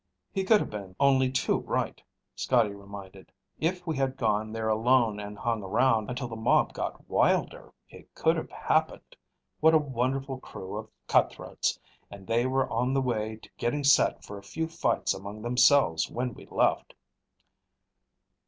"He could have been only too right," Scotty reminded. "If we had gone there alone and hung around until the mob got wilder, it could have happened. What a wonderful crew of cutthroats! And they were on the way to getting set for a few fights among themselves when we left."